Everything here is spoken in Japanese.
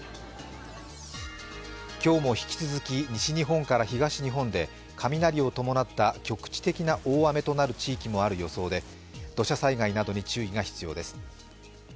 今日も引き続き西日本から東日本で雷を伴った局地的な大雨となる地域もあるため土砂災害などに注意が必要です。